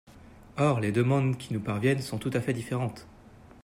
Or les demandes qui nous parviennent sont tout à fait différentes.